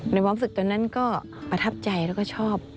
ในความรู้สึกตัวนั้นก็อธับใจและก็ชอบ